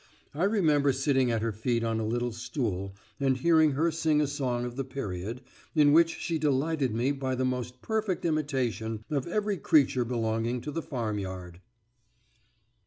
I remember sitting at her feet on a little stool and hearing her sing a song of the period, in which she delighted me by the most perfect imitation of every creature belonging to the farmyard.